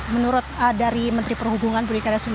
menurut dari menteri perhubungan perikaraan sumanit